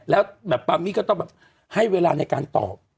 แล้วแบบปามี่ก็ต้องแบบให้เวลาในการตอบ